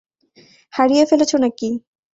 হারিয়ে ফেলেছ নাকি?